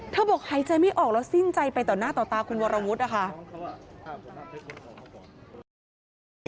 บอกหายใจไม่ออกแล้วสิ้นใจไปต่อหน้าต่อตาคุณวรวุฒินะคะ